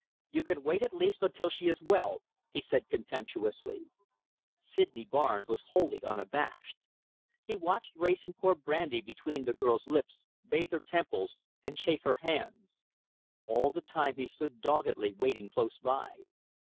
"You can wait, at least, until she is well," he said contemptuously. Sydney Barnes was wholly unabashed. He watched Wrayson pour brandy between the girl's lips, bathe her temples, and chafe her hands. All the time he stood doggedly waiting close by.